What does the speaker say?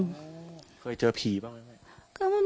เขาเกิดเจอผีบ้างไว้ไหม